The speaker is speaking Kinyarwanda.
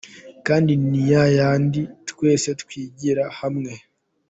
kandi ni yayandi twese twigira hamwe.